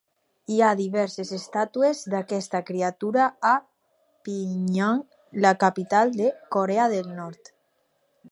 Hi ha diverses estàtues d'aquesta criatura a Pyongyang, la capital de Corea del Nord.